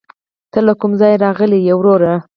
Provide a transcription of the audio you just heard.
ته له کوم ځايه راغلې ؟ وروره